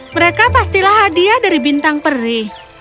mereka pastilah hadiah dari bintang peri